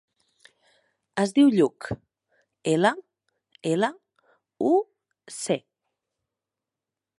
Es diu Lluc: ela, ela, u, ce.